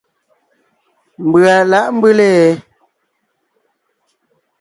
Mbʉ̀a lǎʼ mbʉ́le ?